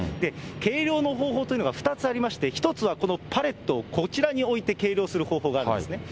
計量の方法というのが２つありまして、１つはこのパレットをこちらに置いて計量する方法があるんですね。